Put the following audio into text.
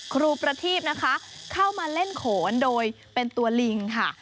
ครูประทีพนะคะเข้ามาเล่นโขนโดยเป็นตัวลิงค่ะ